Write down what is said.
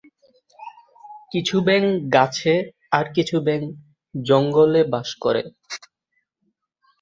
কিছু ব্যাঙ গাছে আর কিছু ব্যাঙ জঙ্গলে বাস করে।